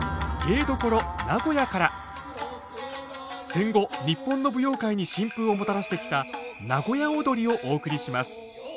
戦後日本の舞踊界に新風をもたらしてきた名古屋をどりをお送りします。